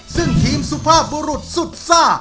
ซึ่งทีมสุภาพบุรุษสุดซ่า